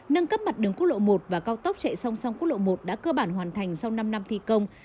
nâng cấp mặt đường quốc lộ một và cao tốc chạy song song quốc lộ một đã cơ bản hoàn thành sau năm năm thi công